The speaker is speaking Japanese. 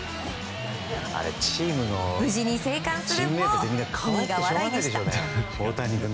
無事に生還するも苦笑いでした。